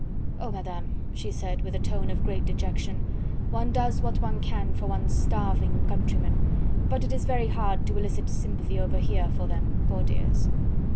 "Oh, Madame!" she said with a tone of great dejection, "one does what one can for one's starving countrymen, but it is very hard to elicit sympathy over here for them, poor dears!"